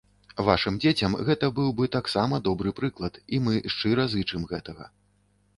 Вашым дзецям гэта быў бы таксама добры прыклад, і мы шчыра зычым гэтага.